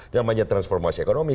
namanya transformasi ekonomi